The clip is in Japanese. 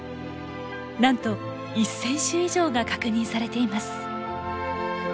なんと１，０００種以上が確認されています。